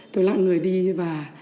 tôi lặng người đi và